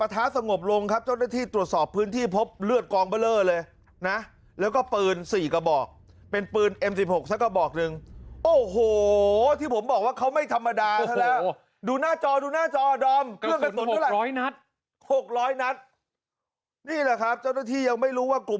หาวหาวหาวหาวหาวหาวหาวหาวหาวหาวหาวหาวหาวหาวหาวหาวหาวหาวหาวหาวหาวหาวหาวหาวหาวหาวหาวหาวหาวหาวหาวหาวหาวหาวหาวหาวหาว